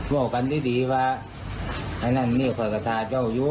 บอกกันที่ดีว่าอันนั้นเนี่ยค่อยกระทะเจ้าอยู่